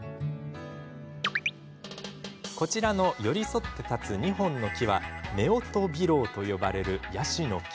こちらの寄り添って立つ２本の木は夫婦ビロウと呼ばれるヤシの木。